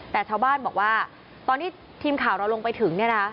แต่ชาวบ้านบอกว่าตอนที่ทีมข่าวเราลงไปถึงเนี่ยนะ